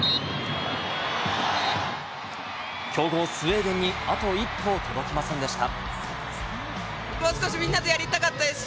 強豪スウェーデンにあと一歩届きませんでした。